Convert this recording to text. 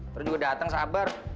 nanti gue datang sabar